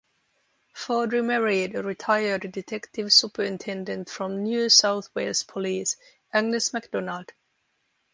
Forde remarried a retired detective superintendent from New South Wales Police, Angus McDonald.